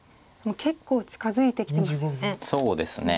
結構近づいてきてますよね。